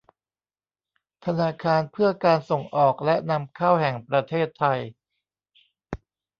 ธนาคารเพื่อการส่งออกและนำเข้าแห่งประเทศไทย